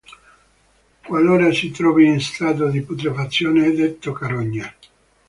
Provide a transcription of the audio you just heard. Qualora si trovi in stato di putrefazione è detto carogna.